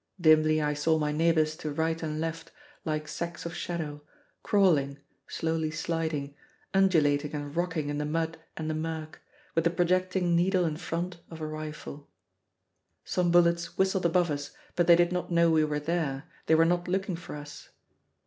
Dimly I saw my neighbors to right and left, like sacks of shadow, crawling, slowly sliding, undulating and rocking in the mud and the murk, with the projecting needle in front of a rifle. Some bullets whistled above us, but they did not know we were there, they were not looking for us.